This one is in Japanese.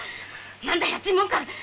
何だい熱いもんか。